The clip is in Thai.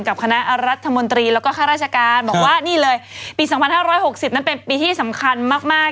กับคณะรัฐมนตรีแล้วก็ข้าราชการบอกว่านี่เลยปี๒๕๖๐นั้นเป็นปีที่สำคัญมาก